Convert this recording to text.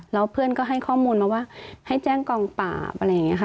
แล้วเพื่อนก็ให้ข้อมูลมาว่าให้แจ้งกองปราบอะไรอย่างนี้ค่ะ